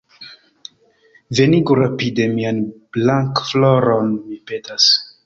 Venigu rapide mian Blankafloron, mi petas.